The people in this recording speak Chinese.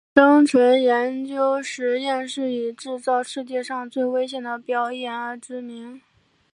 生存研究实验室以制造世界上最危险的表演而知名。